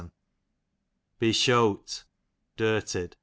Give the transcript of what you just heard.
Beshote, dirtied.